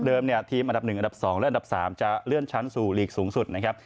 ทีมอันดับ๑อันดับ๒และอันดับ๓จะเลื่อนชั้นสู่ลีกสูงสุดนะครับ